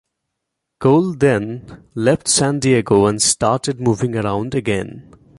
Cole then left San Diego and started moving around again.